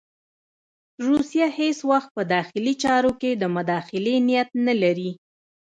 روسیه هېڅ وخت په داخلي چارو کې د مداخلې نیت نه لري.